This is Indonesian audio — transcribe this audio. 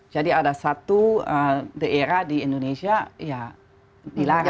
jadi ada satu daerah di indonesia ya dilarang